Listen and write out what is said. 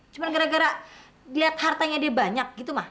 cuman gara gara liat hartanya dia banyak gitu ma